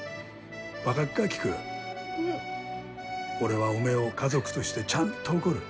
俺はおめを家族としてちゃんと怒る。